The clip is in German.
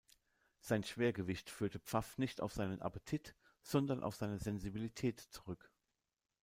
Sein Schwergewicht führte Pfaff nicht auf seinen Appetit, sondern auf seine Sensibilität zurück.